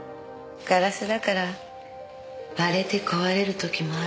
ガラスだから割れて壊れる時もある。